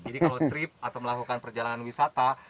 jadi kalau trip atau melakukan perjalanan wisata